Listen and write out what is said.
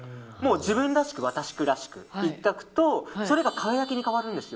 自分らしく私らしくいくとそれが輝きに変わるんです。